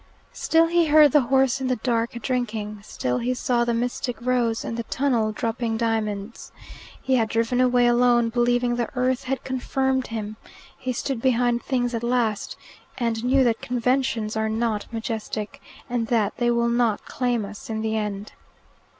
Still he heard the horse in the dark drinking, still he saw the mystic rose, and the tunnel dropping diamonds. He had driven away alone, believing the earth had confirmed him. He stood behind things at last, and knew that conventions are not majestic, and that they will not claim us in the end.